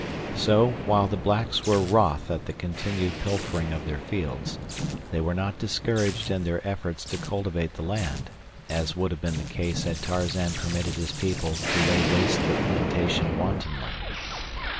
So, while the blacks were wroth at the continued pilfering of their fields, they were not discouraged in their efforts to cultivate the land, as would have been the case had Tarzan permitted his people to lay waste the plantation wantonly.